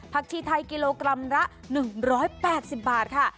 ชีไทยกิโลกรัมละ๑๘๐บาทค่ะ